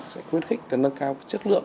sẽ khuyến khích nâng cao chất lượng